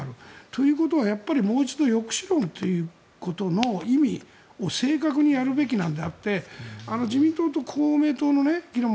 ということは、もう一度抑止論ということの意味を正確にやるべきなんであって自民党と公明党の議論